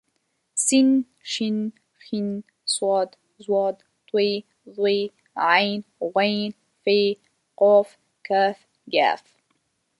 س ش ښ ص ض ط ظ ع غ ف ق ک ګ